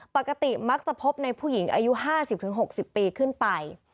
ปกติมักจะพบในผู้หญิงอายุ๕๐๖๐ปีขึ้นไป